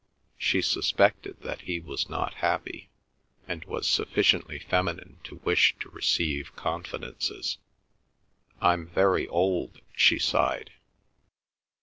She suspected that he was not happy, and was sufficiently feminine to wish to receive confidences. "I'm very old," she sighed.